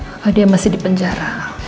bahwa dia masih di penjara